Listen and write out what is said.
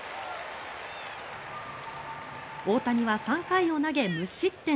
大谷は３回を投げ無失点。